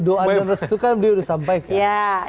doa dan restu kan beliau sudah sampaikan